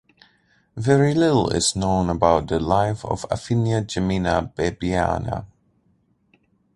Very little is known about the life of Afinia Gemina Baebiana.